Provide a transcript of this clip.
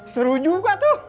seru juga tuh